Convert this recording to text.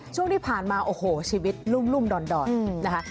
ช่วงที่ผ่านมาโอ้โหชีวิตรุ่มดอนนะคะ